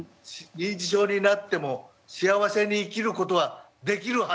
認知症になっても幸せに生きることはできるはずです。